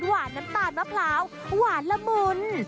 น้ำตาลมะพร้าวหวานละมุน